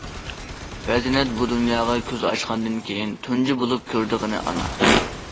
پەرزەنت بۇ دۇنياغا كۆز ئاچقاندىن كېيىن تۇنجى بولۇپ كۆرىدىغىنى ئانا.